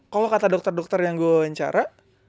kalau kata dokter dokter yang gue wawancara